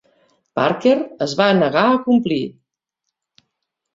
Parker es va negar a complir.